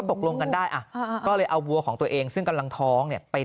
ตกลงกันได้ก็เลยเอาวัวของตัวเองซึ่งกำลังท้องเนี่ยไป